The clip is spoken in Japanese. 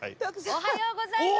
おはようございます。